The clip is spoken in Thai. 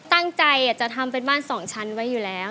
ตั้งใจจะทำเป็นบ้านสองชั้นไว้อยู่แล้ว